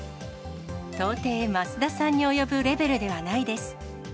到底、増田さんに及ぶレベルではないです。